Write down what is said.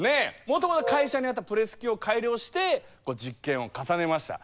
もともと会社にあったプレス機を改良して実験を重ねました。